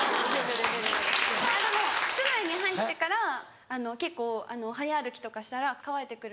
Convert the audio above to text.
あっでも室内に入ってから結構早歩きとかしたら乾いてくるので。